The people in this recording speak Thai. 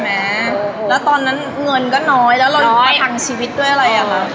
แม้แล้วตอนนั้นเงินก็น้อยแล้วเราประทังชีวิตด้วยอะไรอ่ะคะ